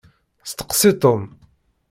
Steqsi Tom!